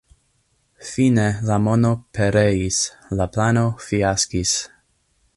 Fine la mono pereis, la plano fiaskis.